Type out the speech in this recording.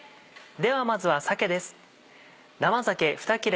ではまずは鮭です。